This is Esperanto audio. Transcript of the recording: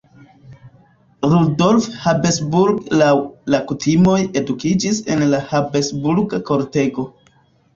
Rudolf Habsburg laŭ la kutimoj edukiĝis en la Habsburga kortego.